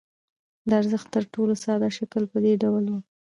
د ارزښت تر ټولو ساده شکل په دې ډول وو